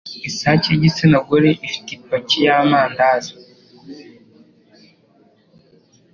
Isake y'igitsina gore ifite ipaki yamandazi